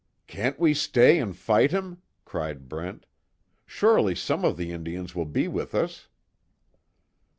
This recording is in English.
"Can't we stay and fight him?" cried Brent, "Surely some of the Indians will be with us."